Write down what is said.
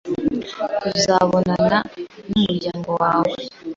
Tuzabonana numuryango wawe